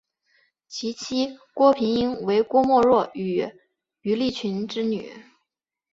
其妻郭平英为郭沫若与于立群之女。